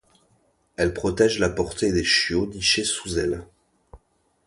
Elle protège la portée de chiots nichée sous elle.